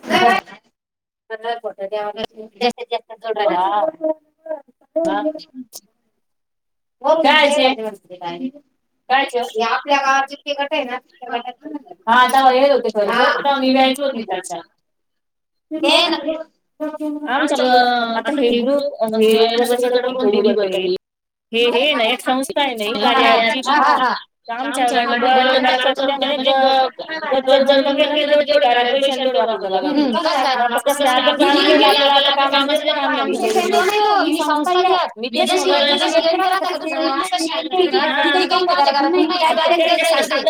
नाही जास्त जोडाला. हा. हो का. कळयची आपल्याात जितके करताय नाय हता येत होते. आता मी व्याचलो तिसाच्या न. आम स आता हे ग्रुप हेसकडेण थोडी वर्क आहे. हे हे ना एक संस्था आहे ना कार्याची. आमच्या गाळच्या काडाच होत म्हणे ग कचल बंद केला तर जेवढ. कारण पैशां वापस जा वापस का के आपल्याला कामा. ही संस्था या वि. त काहीरा पु्हा एकरेट.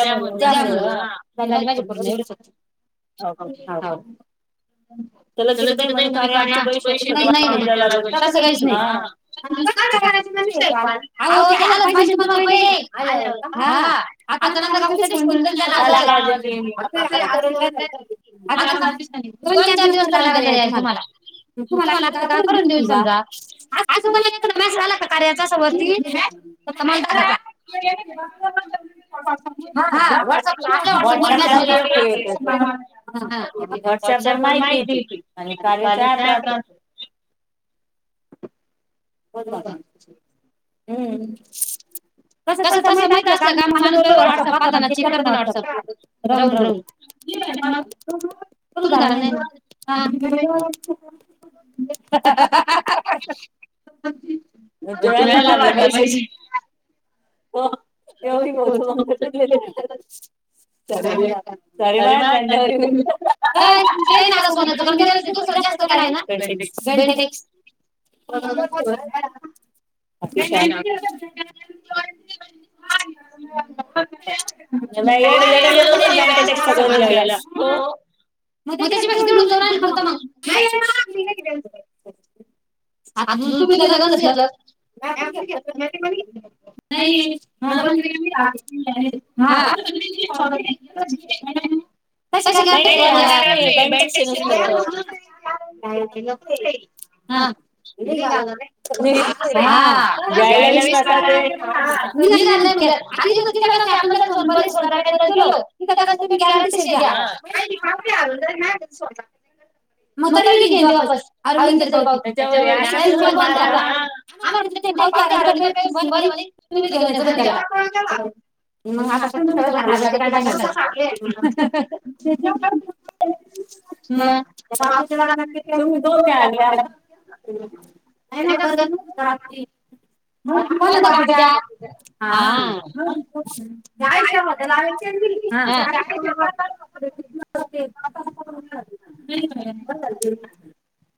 जा म्हण झाली माझ्या पूर्ण एवढंच. लग म्हणी आची प शे नाही त्याला असं काहीच नाही कमी करायच ते आलं पाहिजे तुम्हाला पाहिजेईल आल्या का हा. [unintelligible] आता नंतर आपण कधी सोड द नाही काय. [unintelligible] आ दोन चार दिवस तर लागणार या तुम्हाला. [unintelligible] तुम्हाला आलं का करून देऊ तुमझा आजुला. [unintelligible] [unintelligible] झाला का कार्याचा अस वरती. टअप व्हट्सअप आप व्हट्अप [unintelligible] हा व्हॉट्सअप वर माहिती ती [unintelligible] साडेअकरा वाजता. हो का? हम्म. तसं कस माहित असलं का [unintelligible] म राहून राहून पाहताना. कल्पना वाटते. कारण काय आहे. [unintelligible] हा हा हा हा सगळ्यांना आता पशी [unintelligible] ह [unintelligible] [unintelligible] त्यांनी आत्ता सोन्याचा कमी केलं दुसरा आता जास्त. बेन्टेक्स [unintelligible] बेन्टेक्स आहे. [unintelligible] हलकट. नही ग ते येडे लोक बेन्टेक्स सगळे घ्यायला. [unintelligible] मग त्याच्यापळून जाऊ होत मग. [unintelligible] स. [inaudible] आता तुम्ही त गंज घेतल म्या कुठ घेतल मी [unintelligible] नाही ण सग. [unintelligible] [unintelligible] करो काय [unintelligible] हा घ्यायला विसरले ते [unintelligible] हा घय मुे आताी आपण जर सोनपारी सो काही गेलो [unintelligible] इथं कसं गॅरंटी शीत आहे ती पावती हरून जाईल ते [unintelligible] मकरवी घेन दे वापस आरोग्य गर्पावती [unintelligible] ि पार का सिंबल [unintelligible] पावती हारवली तुम्ही ते घेऊन तुम्ही घेऊन या त्यांना बोट नका लावू [unintelligible] मग तुम्ही तिला सगळं सांगितलं का? सातूच्या लागना दोन वळाले [unintelligible] गर्दी नव्हती रात्री. [unintelligible] हो हो ना बापूजा हा होय [unintelligible] त्याला आली चरबी हा. ते आयुष्यभर चालेल. [unintelligible] नेकलेस पण घालतील का. [unintelligible]